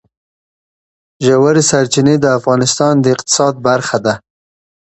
ژورې سرچینې د افغانستان د اقتصاد برخه ده.